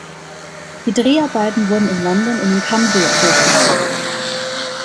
Die Dreharbeiten wurden in London und in Cumbria durchgeführt.